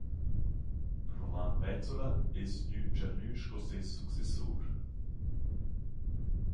Roman Bezzola es gnü tschernü sco seis successur.